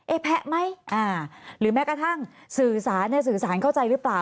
แพะไหมหรือแม้กระทั่งสื่อสารเนี่ยสื่อสารเข้าใจหรือเปล่า